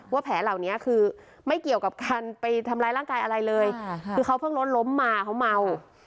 แผลเหล่านี้คือไม่เกี่ยวกับการไปทำร้ายร่างกายอะไรเลยคือเขาเพิ่งรถล้มมาเขาเมา